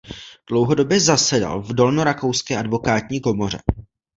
Dlouhodobě zasedal v dolnorakouské advokátní komoře.